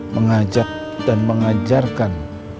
mengajak dan mengajarkan